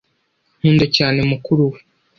Nkunda cyane mukuru we